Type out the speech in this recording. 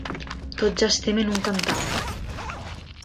Tots estem en un cantar.